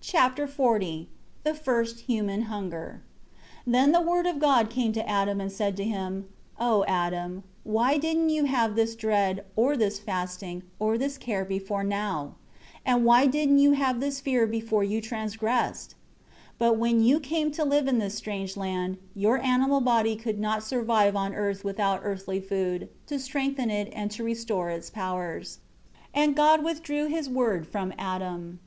Chapter XL The first Human hunger. 1 Then the Word of God came to Adam, and said to him, "O Adam, why didn't you have this dread, or this fasting, or this care before now? And why didn't you have this fear before you transgressed? 2 But when you came to live in this strange land, your animal body could not survive on earth without earthly food, to strengthen it and to restore its powers." 3 And God withdrew His Word for Adam.